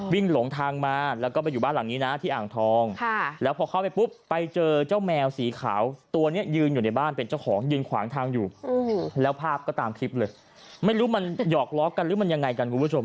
วิ่งหลงทางมาแล้วก็ไปอยู่บ้านหลังนี้ที่อ่างทอง